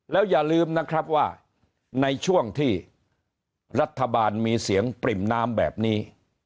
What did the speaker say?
แล้วอย่าลืมนะครับว่าในช่วงที่รัฐบาลมีเสียงปริ่มน้ำแบบนี้